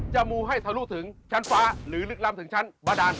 มูให้ทะลุถึงชั้นฟ้าหรือลึกล้ำถึงชั้นบาดาน